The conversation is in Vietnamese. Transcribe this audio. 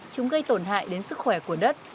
chúng gây tổn hại đến sức khỏe của đất